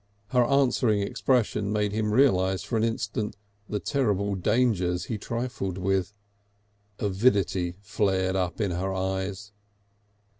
Her answering expression made him realise for an instant the terrible dangers he trifled with. Avidity flared up in her eyes.